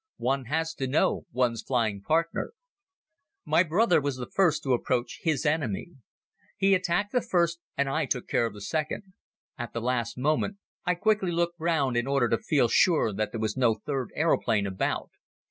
One has to know one's flying partner. My brother was the first to approach his enemy. He attacked the first and I took care of the second. At the last moment I quickly looked round in order to feel sure that there was no third aeroplane about.